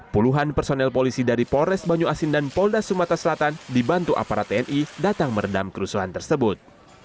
puluhan personel polisi dari polres banyu asin dan polda sumatera selatan dibantu aparat tni datang meredam kerusuhan tersebut